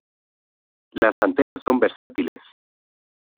Las anteras son versátiles.